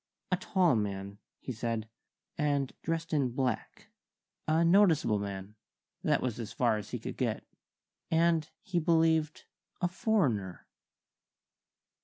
A tall man, he said, and dressed in black; a noticeable man that was as far as he could get and, he believed, a foreigner."